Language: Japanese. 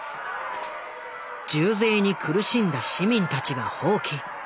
重税に苦しんだ市民たちが蜂起。